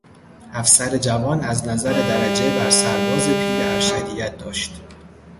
افسر جوان از نظر درجه برسرباز پیر ارشدیت داشت.